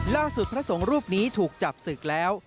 พระสงฆ์รูปนี้ถูกจับศึกแล้ว